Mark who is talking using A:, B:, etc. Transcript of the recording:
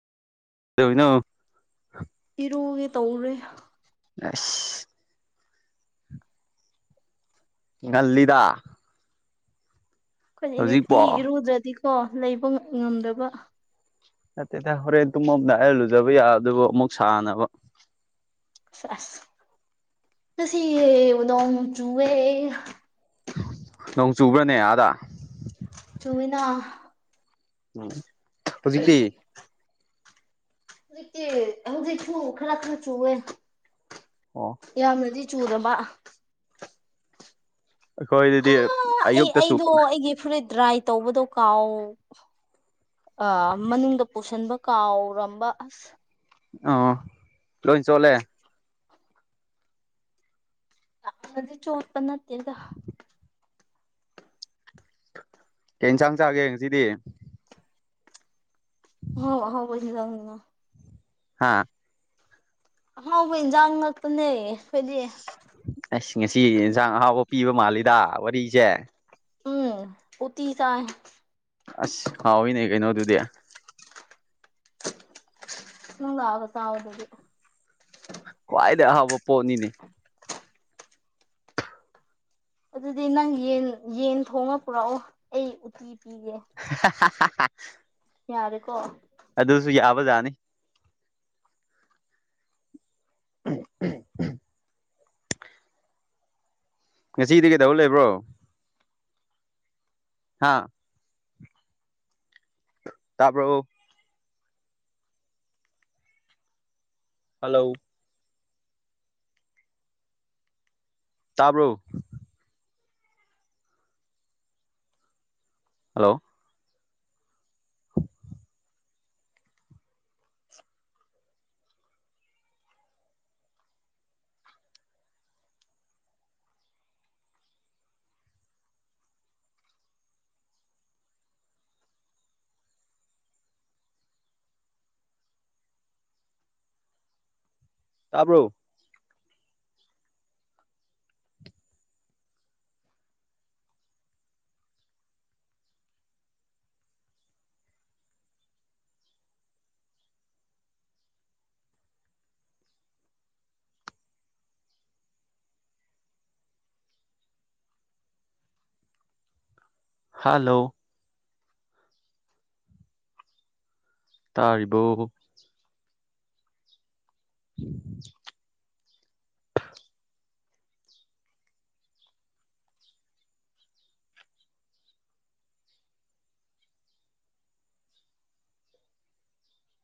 A: ꯀꯩꯗꯧꯔꯤꯅꯣ꯫
B: ꯏꯔꯨꯒꯦ ꯇꯧꯔꯤ
A: ꯑꯁ ꯉꯥꯜ ꯂꯤꯗ
B: ꯑꯩꯈꯣꯏ
A: ꯍꯧꯖꯤꯛꯄꯣ
B: ꯅꯤꯇꯤ ꯏꯔꯨꯗ꯭ꯔꯗꯤꯀꯣ ꯂꯩꯕ ꯉꯝ ꯉꯝꯂ‌ꯣꯏꯕ
A: ꯅꯠꯇꯦꯗ ꯍꯣꯔꯦꯟ ꯇꯨꯝꯃꯝꯗꯥꯏ ꯂꯨꯖꯕ ꯌꯥ ꯗꯨꯕꯨ ꯑꯃꯨꯛ ꯁꯥꯅꯕ
B: ꯁ‌ꯦꯁ ꯉꯁꯤ ꯅ‌ꯣꯡ ꯆꯨꯋ‌ꯦ
A: ꯅꯣꯡ ꯆꯨꯕ꯭ꯔꯅꯦ ꯑꯥꯗ
B: ꯆꯨꯑꯦꯅ
A: ꯎꯝ ꯍꯧꯖꯤꯛꯇꯤ
B: ꯍꯧꯖꯤꯛꯇꯤ ꯍꯧꯖꯤꯛꯁꯨ ꯈꯔ ꯈꯔ ꯆꯨꯋ‌ꯦ
A: ꯑꯣ
B: ꯌꯥꯝꯅꯗꯤ ꯆꯨꯗꯕ
A: ꯑꯈ‌ꯣꯏꯗꯗꯤ
B: ꯑꯩ ꯑꯩꯗꯣ ꯑꯩꯒꯤ ꯐꯨꯔꯤꯠ ꯗ꯭ꯔꯥꯏ ꯇꯧꯕꯗꯣ ꯀꯥꯎ ꯑ ꯃꯅꯨꯡꯗ ꯄꯨꯁꯟꯕ ꯀꯥꯎꯔꯝꯕ ꯑꯁ
A: ꯑꯣ ꯂꯣꯏꯟ ꯆꯣꯠꯂꯦ
B: ꯌꯥꯝꯅꯗꯤ ꯆꯣꯠꯄ ꯅꯠꯇꯦꯗ
A: ꯀꯩ ꯏꯟꯖꯥꯡ ꯆꯥꯒꯦ ꯉꯁꯤꯗꯤ
B: ꯑꯍꯥꯎ ꯑꯍꯥꯎꯕ ꯏꯟꯖꯥꯡꯅꯤꯅ
A: ꯍꯥꯥ
B: ꯑꯍꯥꯎꯕ ꯏꯟꯖꯥꯡ ꯉꯥꯛꯇꯅꯦ ꯈ‌ꯣꯏꯗꯤ
A: ꯑꯁ ꯉꯁꯤ ꯏꯟꯖꯥꯡ ꯑꯍꯥꯎꯕ ꯄꯤꯕ ꯃꯥꯜꯂꯤꯗ ꯋꯥꯔꯤꯁꯦ
B: ꯎꯝ ꯎꯇꯤ ꯆꯥꯏ
A: ꯑꯁ ꯍꯥꯎꯏꯅꯦ ꯀꯩꯅꯣ ꯑꯗꯨꯗꯤ
B: ꯅꯪ ꯂꯥꯛꯑꯒ ꯆꯥꯎ ꯑꯗꯨꯗꯤ
A: ꯈ꯭ꯋꯥꯏꯗꯩ ꯑꯍꯥꯎꯕ ꯄꯣꯠꯅꯤꯅꯦ
B: ꯑꯗꯨꯗꯤ ꯅꯪ ꯌꯦꯟ ꯌꯦꯟ ꯊꯣꯡꯉ ꯄꯨꯔꯛꯎ ꯑꯩ ꯎꯇꯤ ꯄꯤꯒꯦ
A: [unintelligible]
B: ꯌꯥꯔ‌ꯦꯀꯣ
A: ꯑꯗꯨꯖꯨ ꯌꯥꯕꯖꯥꯠꯅꯤ [unintelligible] ꯉꯁꯤꯗꯤ ꯀꯩꯗꯧꯔ ꯂꯩꯕ꯭ꯔꯣ ꯍꯥꯥ ꯇꯥꯕ꯭ꯔ‌ꯣ ꯍꯜꯂꯣ ꯇꯥꯕ꯭ꯔꯣ ꯍꯜꯂꯣ ꯇꯥꯕ꯭ꯔ‌ꯣ ꯍꯜꯂꯣ ꯇꯥꯔꯤꯕ‌ꯣ [unintelligible]